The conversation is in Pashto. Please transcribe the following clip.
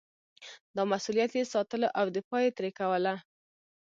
دا مسووليت یې ساتلو او دفاع یې ترې کوله.